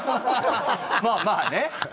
まあまあね。